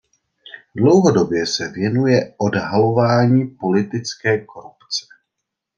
Dlouhodobě se věnuje odhalování politické korupce.